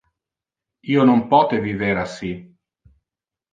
Io non pote viver assi.